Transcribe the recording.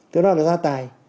từ đó là do gia tài